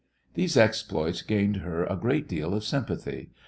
These exploits gained for her a great deal of sympathy.